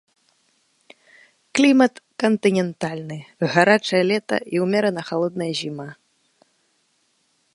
Клімат кантынентальны, гарачае лета і ўмерана халодная зіма.